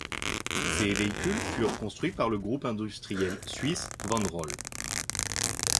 Ces véhicules furent construits par le groupe industriel suisse Von Roll.